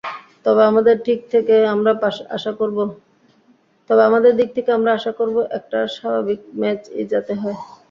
তবে আমাদের দিক থেকে আমরা আশা করব—একটা স্বাভাবিক ম্যাচই যাতে হয়।